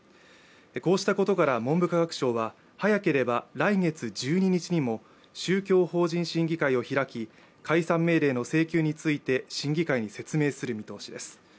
こうしたことから文部科学省は早ければ来月１２日にも宗教法人審議会を開き、解散命令の請求について審議会に説明する見通しです。